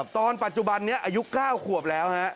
ตอนปัจจุบันนี้อายุ๙ขวบแล้วฮะ